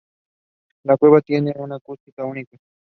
La cueva tiene una acústica única.